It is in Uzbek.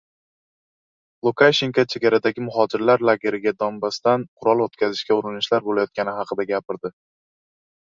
Lukashenko chegaradagi muhojirlar lageriga Donbassdan qurol o‘tkazishga urinishlar bo‘layotgani haqida gapirdi